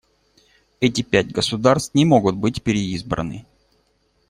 Эти пять государств не могут быть переизбраны.